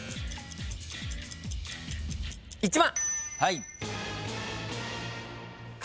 １番。